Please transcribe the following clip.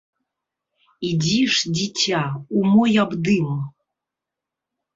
Ідзі ж, дзіця, у мой абдым!